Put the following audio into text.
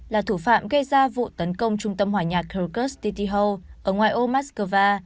là thủ phạm gây ra vụ tấn công trung tâm hỏa nhạc kyrgyzstytihol ở ngoài ô moskova